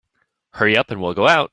Hurry up and we'll go out.